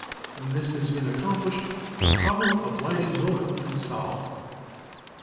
When this has been accomplished the problem of lighting will have been solved."